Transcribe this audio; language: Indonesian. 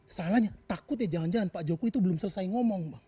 salahnya takut ya jangan jangan pak jokowi itu belum selesai ngomong